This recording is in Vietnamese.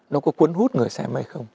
nó có cuốn hút người xem hay không